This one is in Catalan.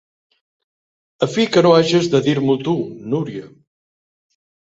A fi que no hages de dir-m'ho tu, Núria;